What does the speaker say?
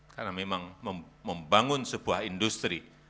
karena memang membangun sebuah industri